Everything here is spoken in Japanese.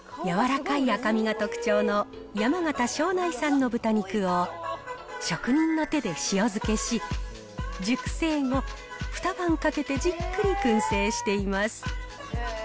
柔らかい赤身が特徴の山形・庄内産の豚肉を職人の手で塩漬けし、熟成後、２晩かけてじっくりくん製しています。